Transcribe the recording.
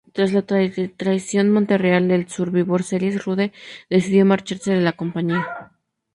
Tras la Traición de Montreal en Survivor Series, Rude decidió marcharse de la compañía.